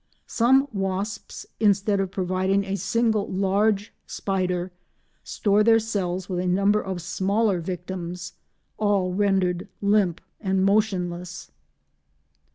Some wasps, instead of providing a single large spider, store their cells with a number of smaller victims, all rendered limp and motionless.